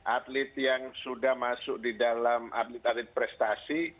atlet yang sudah masuk di dalam atlet atlet prestasi